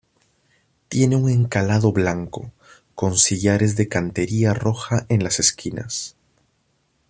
Tiene un encalado blanco, con sillares de cantería roja en las esquinas.